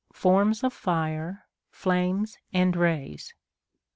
Forms of Fire (Flames and Rays).